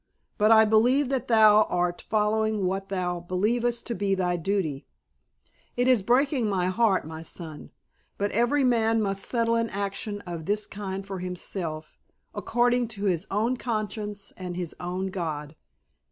But I believe that thou art following what thou believest to be thy duty. It is breaking my heart, my son. But every man must settle an action of this kind for himself, according to his own conscience and his own God.